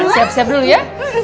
siap siap dulu ya